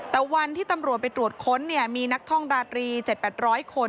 แต่วันที่ตำรวจไปตรวจค้นเนี่ยมีนักท่องราตรี๗๘๐๐คน